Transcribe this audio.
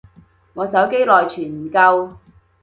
我手機內存唔夠